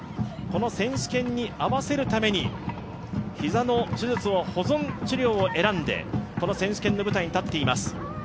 この選手権に合わせるために、膝の手術を保存治療を選んでこの選手権の舞台に立っています。